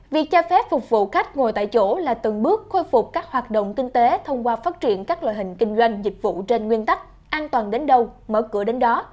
việc cho phép phục vụ khách ngồi tại chỗ là từng bước khôi phục các hoạt động kinh tế thông qua phát triển các loại hình kinh doanh dịch vụ trên nguyên tắc an toàn đến đâu mở cửa đến đó